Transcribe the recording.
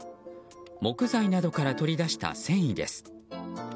木材などから取り出した繊維です。